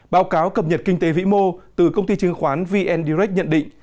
báo cáo cập nhật kinh tế vĩ mô từ công ty chứng khoán vn direct nhận định